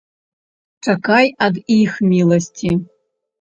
Чакай ад іх міласці.